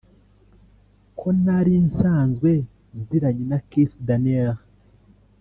ko nari nsanzwe nziranye na Kiss Daniel